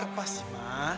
kenapa sih ma